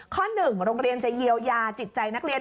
ข้อหนึ่งโรงเรียนจะเยียวยาจิตใจนักเรียน